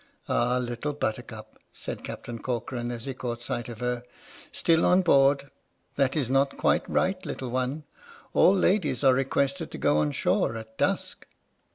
" Ah, Little Buttercup," said Captain Corcoran, as he caught sight of her, " still on board? That is not quite right, little one — all ladies are requested to go on shore at dusk."